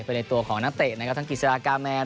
เป็นในตัวของนักเตะทั้งกิศรากาแมน